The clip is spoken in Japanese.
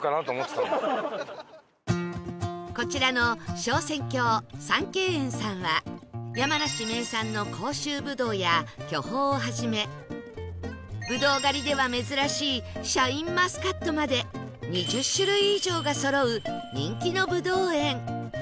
こちらの昇仙峡三溪園さんは山梨名産の甲州ぶどうや巨峰をはじめぶどう狩りでは珍しいシャインマスカットまで２０種類以上がそろう人気のぶどう園